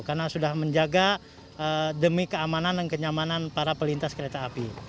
karena sudah menjaga demi keamanan dan kenyamanan para pelintas kereta api